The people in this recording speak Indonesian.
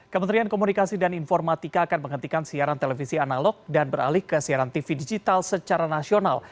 kementerian komunikasi dan informatika akan menghentikan siaran televisi analog dan beralih ke siaran tv digital secara nasional